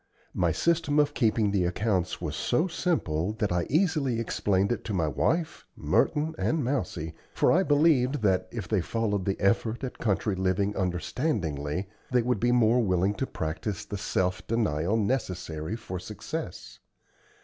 My system of keeping the accounts was so simple that I easily explained it to my wife, Merton, and Mousie, for I believed that, if they followed the effort at country living understandingly, they would be more willing to practice the self denial necessary for success.